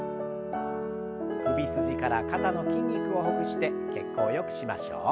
首筋から肩の筋肉をほぐして血行をよくしましょう。